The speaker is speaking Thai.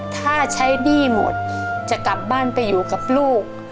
ถ้าใช้หนี้หมดจะกลับบ้านไปอยู่กับลูก